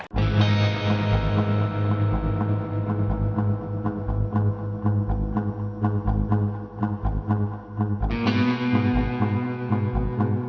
teman sekelas guera